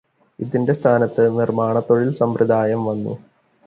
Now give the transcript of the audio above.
ഇതിന്റെ സ്ഥാനത്തു് നിർമാണത്തൊഴിൽ സമ്പ്രദായം വന്നു.